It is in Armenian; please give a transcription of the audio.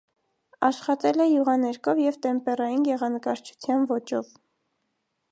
Աշխատել է յուղաներկով և տեմպերային գեղանկարչության ոճով։